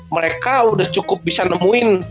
mereka udah cukup bisa nemuin